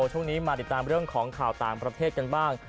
ช่วงนี้มาติดตามเรื่องของข่าวต่างประเทศกันบ้าง